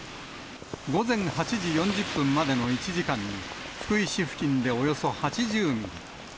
午前８時４０分までの１時間に、福井市付近でおよそ８０ミリ。